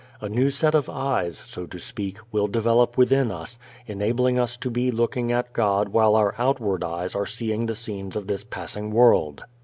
A new set of eyes (so to speak) will develop within us enabling us to be looking at God while our outward eyes are seeing the scenes of this passing world.